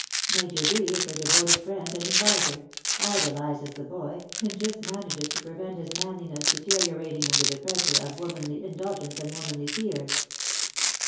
Major Bree is her devoted friend and adviser, idolizes the boy, and just manages to prevent his manliness deteriorating under the pressure of womanly indulgence and womanly fears.